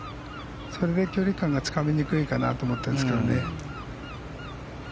それで距離感がつかみにくいかなと思ってるんですけどね。